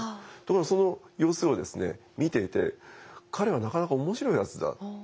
ところがその様子を見ていて彼はなかなか面白いやつだ。